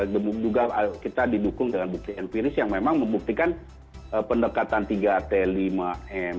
juga kita didukung dengan bukti empiris yang memang membuktikan pendekatan tiga t lima m